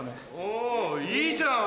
おいいじゃん！